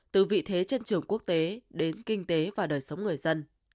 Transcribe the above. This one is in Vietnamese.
từ vị thế trên trường quốc tế đến kinh tế và đời sống người dân